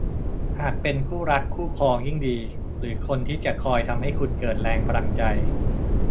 หากเป็นคู่รักคู่ครองยิ่งดี หรือคนที่จะคอยทำให้คุณเกิดแรงพลังใจ